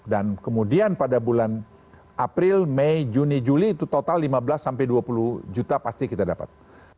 dan kemudian pada bulan april mei juni juli itu total lima belas sampai dua puluh juta pasti kita dapat